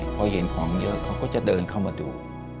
พอเห็นของเยอะเขาก็จะเดินเข้ามาดู